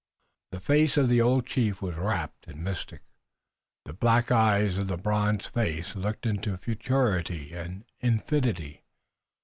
The face of the old chief was rapt and mystic. The black eyes in the bronzed face looked into futurity and infinity.